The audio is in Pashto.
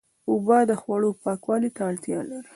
اوبه د خوړو پاکوالي ته اړتیا لري.